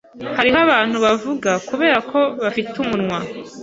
Hariho abantu bavuga kuberako bafite umunwa.